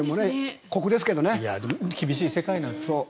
厳しい世界なんです。